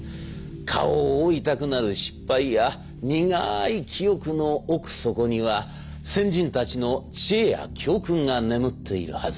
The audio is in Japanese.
顔を覆いたくなる失敗や苦い記憶の奥底には先人たちの知恵や教訓が眠っているはず。